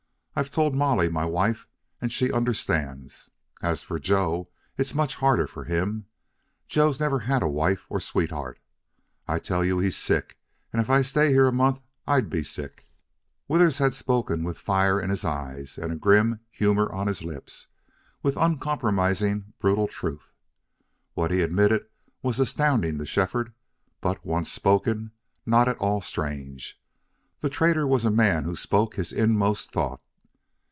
I've told Molly, my wife, and she understands. As for Joe, it's much harder for him. Joe never has had a wife or sweetheart. I tell you he's sick, and if I'd stay here a month I'd be sick." Withers had spoken with fire in his eyes, with grim humor on his lips, with uncompromising brutal truth. What he admitted was astounding to Shefford, but, once spoken, not at all strange. The trader was a man who spoke his inmost thought.